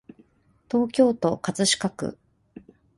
東京都葛飾区